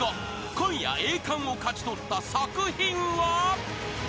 今夜栄冠を勝ち取った作品は］